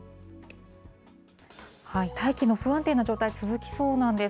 大気の不安定な状態、続きそうなんです。